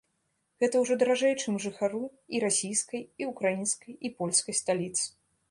Гэта ўжо даражэй чым жыхару і расійскай, і украінскай, і польскай сталіц.